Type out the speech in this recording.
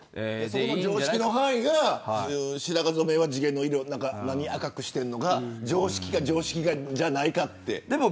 その常識の範囲が白髪染めは、地毛の色赤くしているのは常識か常識じゃないかというのは。